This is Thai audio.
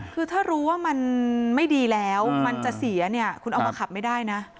คือถ้ารู้ว่ามันไม่ดีแล้วมันจะเสียเนี่ยคุณเอามาขับไม่ได้นะ